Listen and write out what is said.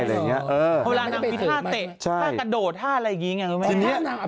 เวลานางมีท่าเตะท่ากระโดดท่าอะไรอย่างนี้ไงคุณแม่